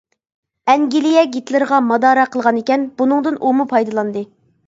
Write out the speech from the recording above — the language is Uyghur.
ئەنگلىيە گىتلېرغا مادارا قىلغانىكەن، بۇنىڭدىن ئۇمۇ پايدىلاندى.